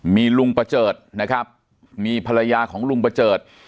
มีลุงประเจิดนะครับมีภรรยาของลุงประเจิด